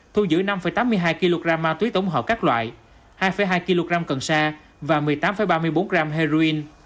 thu giữ năm tám mươi hai kg ma túy tổng hợp các loại hai hai kg cần sa và một mươi tám ba mươi bốn gram heroin